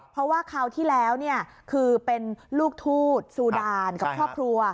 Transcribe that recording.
เพราะว่าคราวที่แล้วคือเป็นลูกทูตซูดานกับครอบครัว